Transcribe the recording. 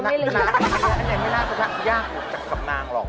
อันนี้ไม่น่าจะยากเหลือจากคำนางหรอก